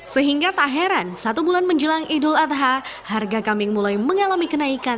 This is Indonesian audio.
sehingga tak heran satu bulan menjelang idul adha harga kambing mulai mengalami kenaikan